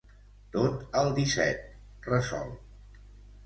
Tot al disset —resol.